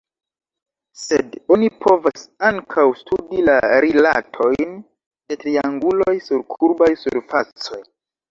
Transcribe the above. Sed oni povas ankaŭ studi la rilatojn de trianguloj sur kurbaj surfacoj.